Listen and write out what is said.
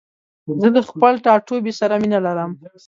زه له خپل ټاټوبي سره مينه لرم.